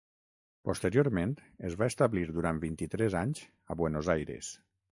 Posteriorment es va establir durant vint-i-tres anys a Buenos Aires.